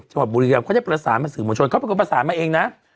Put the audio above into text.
สมบัติบุริเวณเขาได้ประสานมาสื่อหมวดชนเขาเป็นคนประสานมาเองนะ